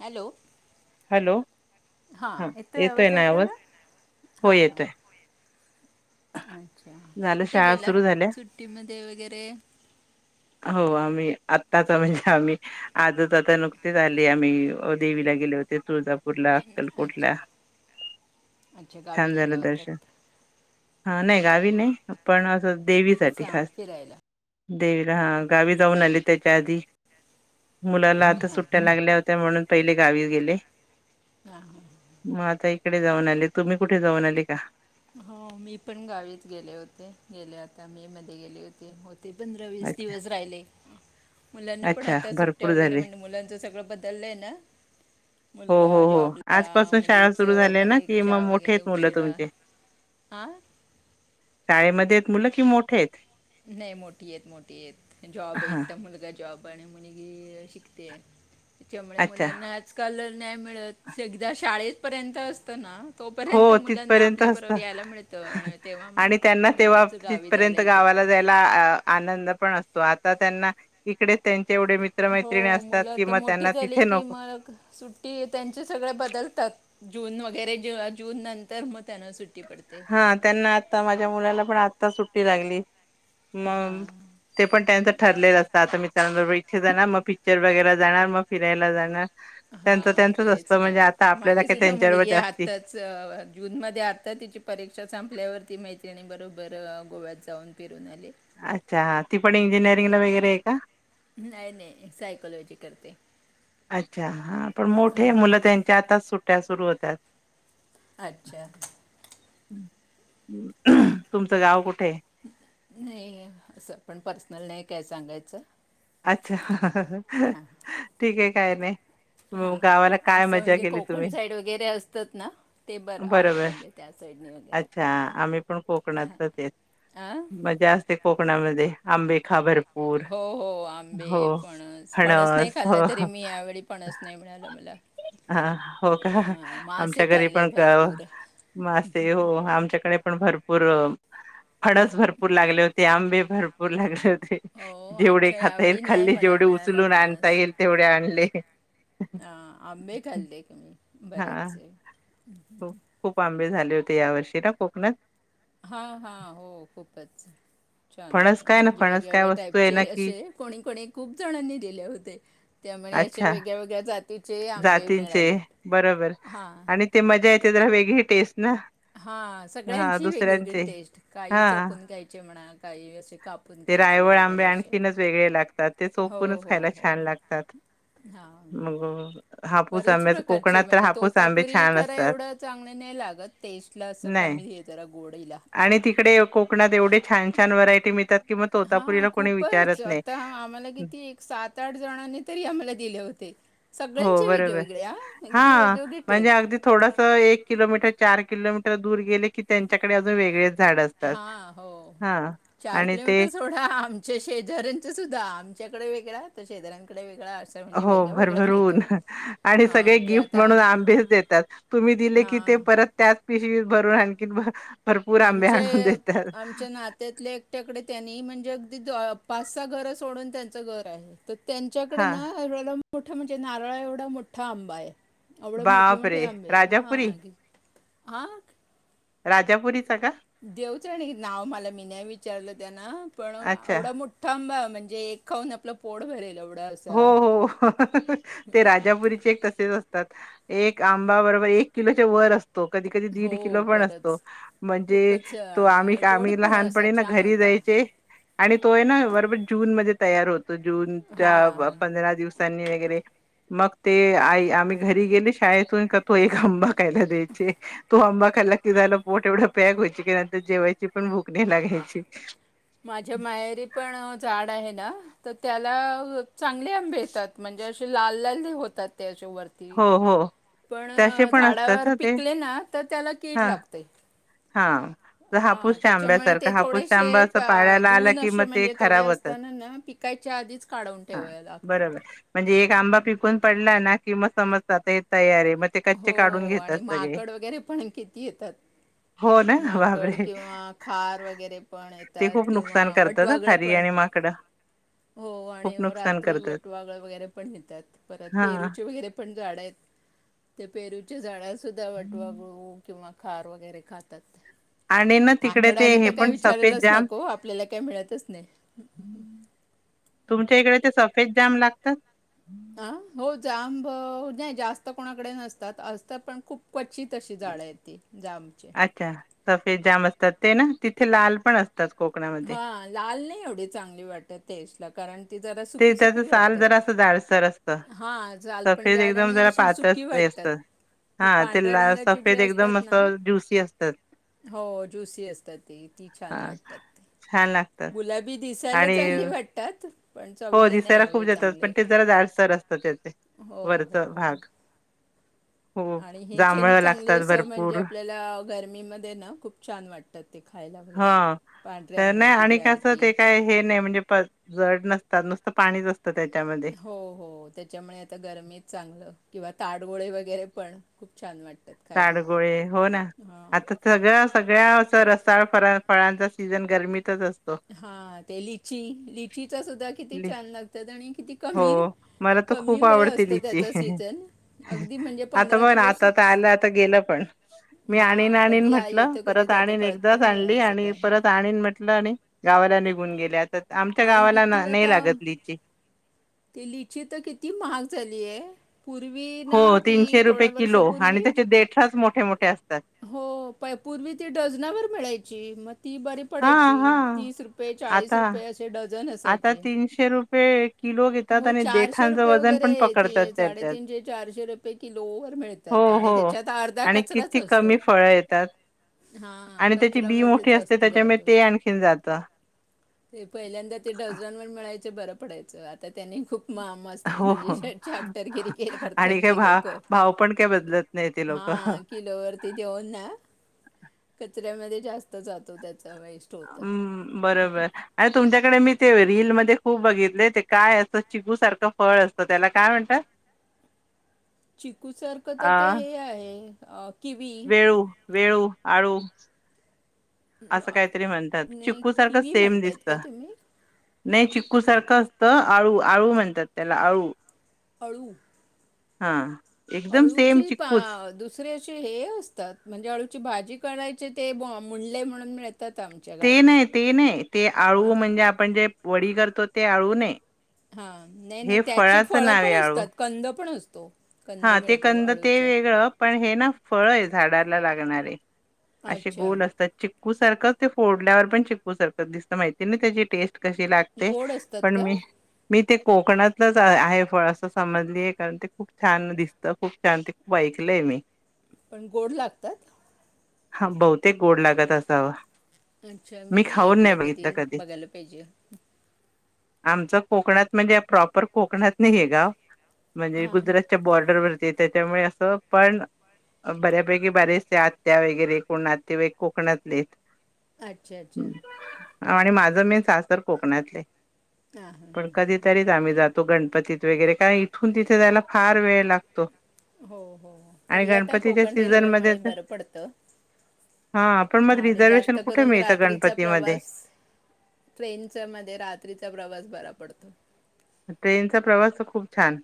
Hello. Hello हा येतोय ना आवाज? हो हां हां येतोय अच्छा, झालं कुठे शाळा सुरू झाल्या गेलात सुट्टीमध्ये वगैरे,.. हो आम्ही आत्ताच, म्हणजे आम्ही आजच आता नुकतेच आले. आम्ही देवीला गेले होते तुळजापूर.. पंढरपूर, अच्छा अक्कलकोटला, अच्छा गावी छान गेला झालं दर्शन.. होतात हा, नाही गावी नाही पण असं.. असं देवीसाठी हां खास, फिरायला देवी हा गावी जाऊन आले त्याच्या आधी [unintelligible] मुलाला आता सुट्ट्या अच्छा लागल्या होत्या म्हणून, पहिले गावी गेले, हा हा [unintelligible] डे जाऊन आले तुम्ही कुठे जाऊन आले का [unintelligible] हो मी पण गावीच गेले होते. गेल्या आता मी मध्ये गेले होते. ते, पंधरा, वीस, अच्छा दिवस राहिले. मुलांना पण अच्छा आता, सुट्ट्या, भरपूर वगैरे, झाले म्हण मुलांच सगळं बदललंय ना, हो मुलगा हो हो जॉबला, आजपासून शाळा मुलीच सुरू झाल्या ना की मग परीक्षा, मोठे वगैरे, आहेत मुलं उशिरा, तुमचे आं.. शाळेमध्ये आहे, त मुलं कि मोठे आहेत. नाही मोठी आहेत. मोठी आहेत. जॉब हा एकटा मुलगा जॉब, पा आणि म्हणीगी [unintelligible] शिकते त्याच्यामुळे अच्छा मुलांना आजकाल नाही मिळत, एकदा शाळेत, पर्यंत असताना. हो तोपर्यंत मुलांना तिथपर्यंत असतं आपल्याबरोबर यायला मिळतं, आणि तेव्हा मग आणि त्यांना तेव्हा मिळायचं गावी जायला तिथपर्यंत एकत्र. गावाला आनंद पण असतो आ त्यांना इकडे त्यां [unintelligible] हो मुलं तर मोठी झाली तिथे की, नको मग सुट्टी त्यांचे सगळे बदलतात. जून, वगैरे, जेव्हा जून नंतर मग त्याना सुट्टी पडते हा त्यांना आता, माझ्या मुलाला पण आता सुट्टी. सुट्टी लागली [unintelligible] मग हां ते पण त्यांचं ठरलेलं असत. आता मी, मित्रांबरोबर इथे जाणार. मग पिक्चर, वगैरे जाणार. मग फिरायला जाणार. हा त्यांचं त्यांचंच तेच असतं ना, म्हणजे आता आपल्याला माझी काय सुद्धा त्यांच्याबरोबर मुलगी जास्ती आताच जून मध्ये आता तिची परीक्षा संपल्यावरती मैत्र रीनी बरोबर गोव्यात जाऊन तिने अच्छा! ती पण इंजिनीयर रिंगाला वगैरे आहे का? नाही नाही, सायकोलॉजी करते. अच्छा. हा, पण मोठे अं, मुलं त्यांच्या आता सुट्या सुरू होतात. अच्छा. हं. नाही अस आपण पर्सनल नाही काय सांगायचं. अच्छा ठीक आहे. काय नाही. हा मग गावाला हा. काय असं मजा म्हणजे केली कोकण तुम्ही? साईड वगैरे असतात ना, ते बरं आहे, बरोबर म्हणजे त्या साईडनी वगैरे. अच्छा आम्ही पण हा कोकणातलंच आहेत. आं? मजा असते कोकणामध्ये. आंबे खा भर पूर. हो हो हो, आंबे फणस नाही फणस खाल्ला हो. तरी मी यावेळी फणस नाही मिळालं मला हं, हो का? हां मासे आमच्या घरी खाल्ले पण गाव भरपूर मासे हो आमच्याकडे पण भर पूर, फणस भरपूर लागले होते, आंबे भरपूर लागले होते. हो जेवढे अच्छा खाता येईल ह्यावेळी नाही खाल्ले, मला जेवढे मिळाला उचलून आणता येईल तेवढे आणले. हा, आंबे खाल्ले की बरेच आहे. हो खूप आंबे झाले होते. ते या वर्षी ना कोकणात? हा, हा, हो खूपच. छान फणस होता, काय ना म्हणजे फणस काय वेगवेेगळ्या वस्तू आहे ना टाईपचे की असे कोणी कोणी खूप जणांनी दिले होते. त्यामुळे अशा अच्छा वेगळ्या वेगळ्या जाती जातींचे, बरोबर हां आणि ते मजा येते जरा वेगळी टेस्ट ना? हा, हा सगळ्यांची वेगवेगळी दुसऱ्यांचे टेस्ट हा काही चोकून घ्यायचे म्हणा, काही व असे कापून ते खायचे रायवळ आंबे वगैरे असे आणखीनच वेगळे लागतात, ते हो चोकूनच हो खायला हो छान लागतात. हां मग हापूस बरेच आंब्याच प्रकारचे कोकणात तर म्हणजे, हापूस आंबे तोतापुरी छान खरं असतात. एवढं चांगलं नाही लागत, टेस्ट ला असं नाही कमी हे जरा गोडीला.? आणि तिकडे कोकणात एवढे छान छान व्हरायटी मीळतात हा खूपच आता आम्हाला किती सात आठ जणांनी तरी आम्हाला दिले होते, हो सगळ्यांचे बरोबर वेगळेवेगळे हा अगदी हा वेगवेगळे म्हणजे टेस्ट. अगदी थोडस एक किलोमीटर चार किलोमीटर दूर गेले की त्यांच्याकडे अजून वेगळे- झाड असतात. हां हो हा चार आणि किलोमीटर सोडा आमच्या शेजाऱ्यांच सुद्धा आमच्याकडे वेगळा्या तर शेजऱ्यांकडे वेगळा असं म्हणजे हो वेगळा वेगळा मिळतो भरभरन आणि सगळे हां की गिफ्ट आता म्हणून आंबेच देतात तुम्ही दिले की ते हां परत त्या पिशवी भर आणखीनर आमच्या आमच्या नात्यातल्या एकट्याकडे त्यांनी म्हणजे अगदी पाच घर सोडून त्यांचं घर आहे त्यांच्याकडे हा नाला मोठं म्हणजे नारळ एवढा मोठा आंबा आहे आवडे मोठे मोठे बापरे आंबे राजापुरी हााे हा राजापुरी देऊच नाव मला मी नाही विचारलं त्याना पण अच्छा एवढा मोठा आंबा म्हणजे जे एक खाऊन आपलं पोड भरेल हो असा हो ते राजापुरीचे एक तसेच असते एक आंबा बरोबर एक किलो वर असत कधी कधी दीड हो किलो पण असतो खरंच म्हणजे खूपच तो आम्ही आणि गोड आम्ही पण असा लहानपणी ना छान घरी होता जायचे आणि तो आहे ना बरोबर जून म तयार होतो जून त्या हां पंधरा दिवसांनी वगैरे मग ते आई आम्ही घरी गेलो शाळेतून का तो एक आंबा खायला द्यायचे तो आंबा खायला कि झालं पोट एवढं पॅक वय की नंतर जेवायची पण भुकणेला घ्यायची माझ्या मायरी पण झाड आहे त्याला चांगले आंबे येतात म्हणजे असे लाल लाल होतात हो, हो. पण तसे पण असतात झाडावर हं ते. पिकले ना तर त्याला कीड हां. लागते हा तर हा हापूसच्या त्याच्यामुळे आंब्यासारखा ते हापूसचा थोडेसे आंबा असं पाळायला आला जून की मग असे ते म्हणजे थोडे खराब होतात. असताना ना पिकायच्या आधीच काढून हा ठेवा लागतात बरोबर म्हणजे एक आंबा पिकून पडला ना कि म समजतता तयार आहे मग ते कच्चे हो काढून आणि घेतात सगळे. माकड वगैरे पण किती येतात हो ना माकड बापरे किंवा खार वगैरे पण ते येतात खूप किंवा नुकसान करतात ह वटवागळ खारी पण आणि माकडं हो आणि खूप नुकसान रात्री करतात. वटवागळ वगैरे पण नेतात परत हा पेरूचे वगैरे पण झाड आहेत ते पेरू च्या झाडस सुधा वाटवाग किंवा खार वगैरे खातात आणि ना तिकडे ते माकडे हे तर काय पण सफेद विचारलाच जाम नको आपल्याला काही मिळतच नाही तुमच्या इकडे ते सफेद जााम लागतात अ हो जांब नाही जास्त कोणाकडे नसतात असत पण खूप क अित अशी झाडं आहेत ती जामचे अच्छा सफेद जाम असतात ते ना तिथे लाल पण अस हा लाल नाही एवढी चांगली वाटत तेशला कारण ती जरा ते सुकीी सुकीी त्याचं साल जरा वाटतात असं जाडसर असतं. हां जालपण सफेद जाड एकदम आणि जरा अशी पातळ सुकी हे वाटतात असतं. ती हा ते पांढऱ्या ला रंगाची जी सफेद एकदम असतात ना असं ज्युसी असतात हो ज्युसी असतात ती ती हा छान वाटतात छान लागतात. गुलाबी दिसायला आणि चांगली वाटतात पण हो चवीला नाही दिसायला खूप एवढे जातात चांगले पण ते जरा जाडसर असतात त्याचे हो हो वरचा हो भाग हो आणि हे नी जांभळ चांगली लागतात असं म्हणजे भरपूर आपल्याला गरमीमध्येध्ये ना खूप छान वाटतात ते खायला वगैरे हा. पांढऱ्या तर नाही रंगाची जी आणि आहे कसं ती ते त्या नुसत पाणीत हो हो त्याच्यामुळे आता गरमीच चांगलं किंवा ताडगोळे वगैरे पण खूप छान वाटतें साडगोळे हो ना आता सगळ्या सगळ्या रसाळ फळांचा सीझन गरमीत हा ते लिची लिचीचा सुद्धा किती छान लागतात आणि किती हो कमी मला तर कमी खूप वेळ आवडते असत लिची. त्याच सीझन अगदी म्हणजे आता पंधरा बघ ना आता तर दिवसच आलं आता गेलं पण मी आणन हां, आणन कधी आ म्हटलं येतं, कधी परत जातं आणन कळत एकदाच पण नाही आणली असं आणि आहे. परत आणन म्हटलं आणि गावाला निघून गेले आता आमच्या आणि गावाला किती ना- नाही आता लागत लिची ती लिची तर किती महाग झालीय पूर्वी हो ना ती तीनशे रुपये थोड्या किलो आणि वर्षापूर्वी त्याचे देठाच मोठे मोठे असतात हो प पूर्वी ती डझनावर मिळायची े म ती बरी हा पडायची हा तीस रुपये चाळीस आता रुपये आता तीनशे रुपये किलो घेतात हो आणि चारशे देठांचं रुपये वजन वगैरे पण पकडतात त्याच्यात साडेतीनशे चारशे रुपये किलो व हो मिळतात आणि हो त्याच्यात अर्धा आणि कचराच किती असतो, कमी फळं येतात हा आणि त्याची कचरा बी मोठी मधेच असते असत त्याच्यामुळे जात ते आणखीन जातं ते पहि [unintelligible] ते डझन वर मिळायचे. बरं पडायचं तर त्यांनी खूप मा मस्त हो, हो. म्हणजे चाप्टरगिरी केर करताय आणि काय ती भाव लोक भाव पण काही बदलत नाही ते लोकं. हा किलोवरती देऊन ना कचऱ्यामध्ये जास्त जात त्यात. हम् बरोबर अ तुमच्या नाही मी ते रील मध्ये खूप बघितले ते काय असत चिकू सारखं फळ असतं त्याला काय म्हणतात? चिकूसारखं तर ते अ, हे आहे. अं किवी. वेळू, वेळू आळू असं अ, काहीतरी म्हणतात नाही चिकू सारखं किवी सेम म्हणतायत दिसत. का तुम्ही? नाही चिक्कू सारखं असतं आळू आळू म्हणतात त्याला आळू. आळू हम्म अळूची पा दुसरे असशी हे असतात म्हणजे अळूची भाजी करायचे ते मुंडले म्हणून आमच्या ते गावी नाही ते नाही ते आळू हां म्हणजे आपण जे वडी करतो ते आळू नाय. हा नाही नाही त्याची फळं आहे पण आळू. असतात कंद पण अस तो हा ते कंद ते वेगळं पण हे ना फळ आहे झाडाला लागणारे. असे अच्छा गोल असतात च चिकू सारखं ते फोडल्यावर पण चिकू सारखं दिस माहितीय ना त्याची टेस्ट. कशी लागते गोड असतात पण का मी मी ते कोकणातलंच आहे फळ असं समजतीय कारण ते खूप छान दिसत खूप छान ते खूप ऐकलंय मी. पण गोड लागतात. हा बहुतेक गोड लागत असाव. अच्छा! मी नाही ऐकलं कधी बघायला पाहिजे. आमच कोकणात म्हणजे प्रॉपर कोकणात नाही आहे गाव. म्हणजे हां हां गुजरात बॉर्डरवरती आहे. त्याच्यामुळे असं पण बऱ्यापैकी बरेचशे आत्या वगैरे कोण नातेवाईक कोकणातले. अच्छा! अच्छा! आणि माझं मेन सासर कोकणातले हां हां पण हां कधीतरीच आम्ही जातो. तो गणपतीत वगैरे का इथून तिथे जायला फार वेळ लागतो. हो हो आणि तरी आता गणपतीच्या कोकण सीझन मध्ये रेल्वेमुळे तर बर पडत हा पण मग आणि रिझर्वेशन जास्त कुठे करून मिळतं रात्रीचा गणपतीमध्ये प्रवास ट्रेनचा मध्ये रात्रीचा प्रवास बरा पडतो. झाडे आहे पार्क मध्ये त्यामुळे त्यांची सावली पडली आहे सडक वर ट्रेनचा प्रवास तर खूप छान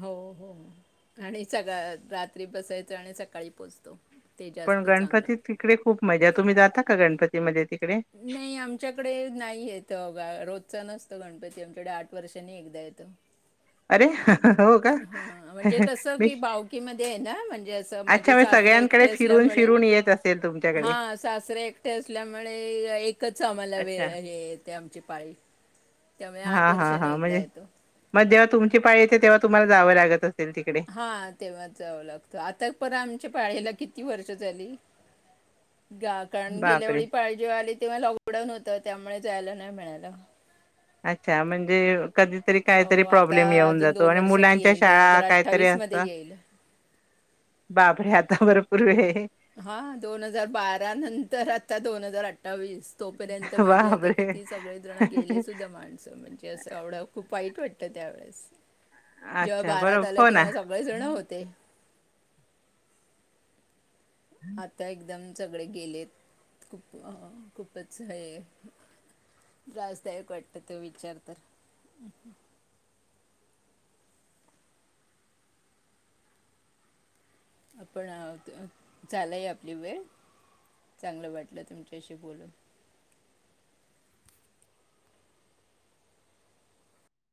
हो हो आणि रात्री बसायचं आणि सकाळी पोहोचतो. पण गणपती तिकडे खूप मजा तुम्ही जाता का गणपती ते मधे ते नाही आमच्याकडे नाहीयेत रोजच नसत गणपती आमच्याकडे आठ वर्षांनी एकदा येतं अरे हा हा म्हणजे कसं कि भावकी मध्ये आहे ना म्हणजे असं माझे अच्छा मी सासरे एकटे सगळ्यांकडे फिरून असल्यामुळे फिरून येत असेल - तुमच्याकडे हा सासरे एकटे असल्यामुळे एकच आम्हाला अच्छा वेळ हे येते आमची पाळी त्यामुळे आठ हा हा वर्षानी हा एकदा म्हणजे येतो मग जेव्हा तुमची पाळी येते तेव्हा तुम्हाला जावं लागत असेल तिकडे हा तेव्हा जाव लागतो आता पर आमच्या पाळीला किती वर्ष झाली ग कारण गेल्या बापरे वेळी पाळी जेव्हा आली तेव्हा लॉकडाऊन होतं त्यामुळे जायला नाही मिळायला अच्छा म्हणजे कधीतरी काहीतरी हो आता प्रॉब्लेम येऊन अजून जातो दोन आणि वर्षांनी मुलांच्या येईल दोन शाळा हजार काहीतरी असत अठ्ठावीसमध्ये येईल - बाबरे आता ब पुूर्वे हा दोन हजार बारा नंतर आता दोन हजार अठ अठ्ठावीस तोपर्यंत माझे आता बापरे! किती सगळेजण गेलेसुद्धा माणसं म्हणजे असं एवढं खूप वाईट वाटतं तर त्यावेळेस जेव्हा अच्छा बारात बरोबर आलं हो ना. तेव्हा सगळे जण होते आता एकदम सगळे गेलेत खूप खूपच हे त्रासदायक वाटत त विचार तर आपण झालंय आपली वेळ चांगलं वाटलं तुमच्याशी बोलून